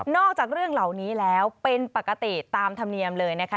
จากเรื่องเหล่านี้แล้วเป็นปกติตามธรรมเนียมเลยนะคะ